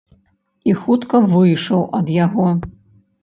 І хутка выйшаў ад яго.